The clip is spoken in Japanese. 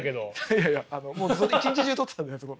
いやいやあのもう一日中撮ってたんであそこ。